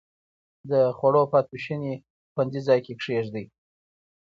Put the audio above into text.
د خوړو پاتې شوني خوندي ځای کې کېږدئ.